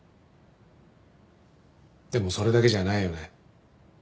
でもそれだけじゃないよね。